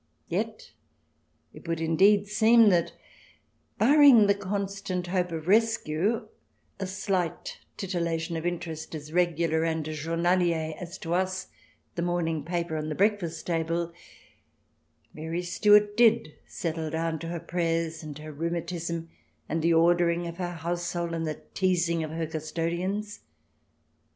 Yet it would indeed seem that, barring the constant hope of rescue, a slight titilla tion of interest as regular and as journalier as to us the morning paper on the breakfast table, Mary Stuart did settle down to her prayers, and her rheumatism, and the ordering of her household, and the teasing of her custodians.